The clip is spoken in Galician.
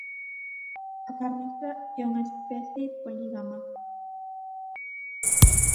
A carriza é unha especie polígama.